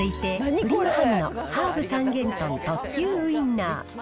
プリマハムのハーブ三元豚特級ウインナー。